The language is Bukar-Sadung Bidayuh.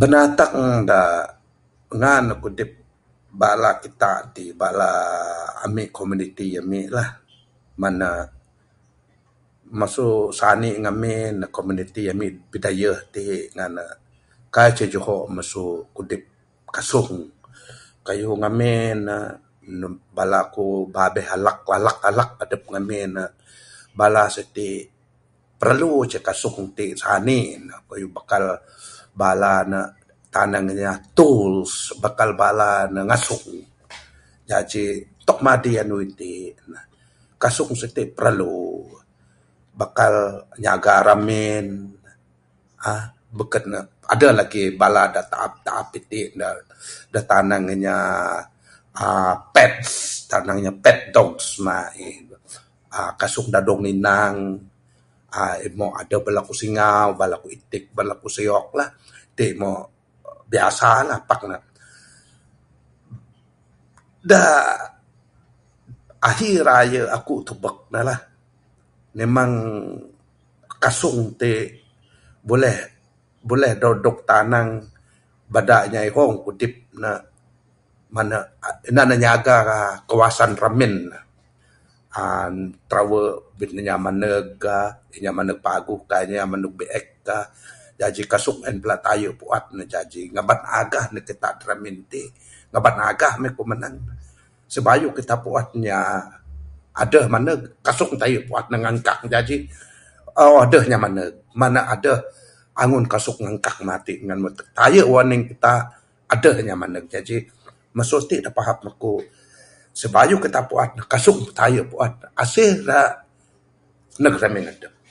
Binatang da ngan ne kudip bala kita ti bala ami komuniti ami ti lah. Ngan ne masu sani ngamin komuniti ami bidayuh ti ngan ne kaik ce juho masu kudip kasung. Kayuh ngamin ne bala ku babeh ku alak alak alak adep ngamin ne bala siti perlu ce kasung ti sani ne kayuh bakal bala ne tanang inya tools bakal bala ne ngasung jaji tok madi anu iti ne kasung siti perlu bakal nyaga ramin beken ne adeh lagi bala da taap taap iti ne da tanang inya uhh pets tanang inya pet dogs maih. uhh kasung da dog nginang ain meh adeh bala itik, bala singau bala ku siok lah. Ti meh biasa lah pak ne. Da ahi raye aku tubek ne lah memang kasung ti buleh buleh da dog tanang bada inya ihong kudip ne, ngan ne inan ne nyaga kawasan ramin uhh trawe bin ne inya maneg ka. Inya maneg paguh ka inya maneg biek ka jaji kasung en taye puan ne jaji agah ne neg kita da ramin ti ngaban agah maih ku manang ne sabab sibayuh kita puan inya adeh maneg, kasung taye puan ne adeh ngangkang jaji uhh adeh inya maneg. Ne adeh angun kasung ngangkang matin ne taye warning kita adeh inya maneg jaji masu ti da paham aku sibayuh kita puan ne kasung taye puan ne asih da neg ramin adep.